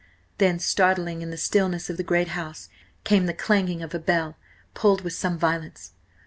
Then, startling in the stillness of the great house, came the clanging of a bell, pulled with some violence.